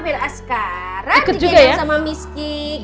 biar sekarang diganam sama miss kiki